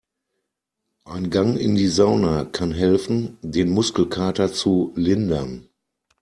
Ein Gang in die Sauna kann helfen, den Muskelkater zu lindern.